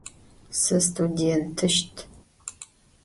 Sıstudêntışt.